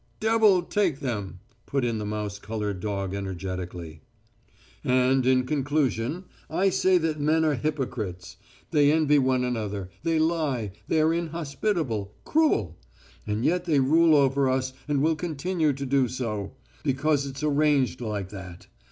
"Devil take them!" put in the mouse coloured dog energetically. "And, in conclusion, I say that men are hypocrites; they envy one another, they lie, they are inhospitable, cruel.... And yet they rule over us, and will continue to do so ... because it's arranged like that.